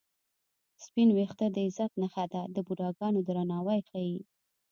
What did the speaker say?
سپین وېښته د عزت نښه ده د بوډاګانو درناوی ښيي